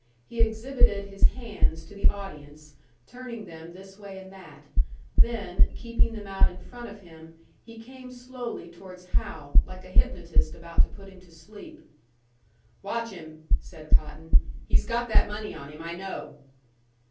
He exhibited his hands to the audience, turning them this way and that; then, keeping them out in front of him, he came slowly towards Hal, like a hypnotist about to put him to sleep. "Watch him!" said Cotton. "He's got that money on him, I know."